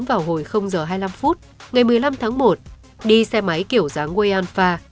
đối tượng nghi vấn vào hồi h hai mươi năm ngày một mươi năm tháng một đi xe máy kiểu dáng wayanfa